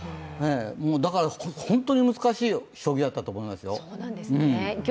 だから本当に難しい将棋だったと思いますよ。